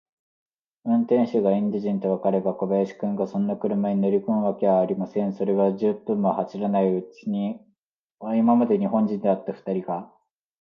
運転手がインド人とわかれば、小林君がそんな車に乗りこむわけがありません。それが、十分も走るか走らないうちに、今まで日本人であったふたりが、